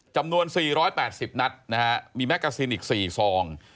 จำนวน๔๘๐นัดนะฮะมีแมกกาซินอีก๔ซอง